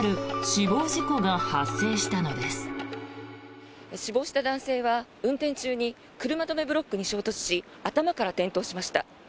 死亡した男性は運転中に車止めブロックに衝突し頭から転倒しました。